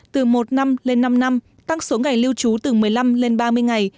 từ một năm lên năm năm tăng số ngày lưu trú từ một mươi năm lên ba mươi ngày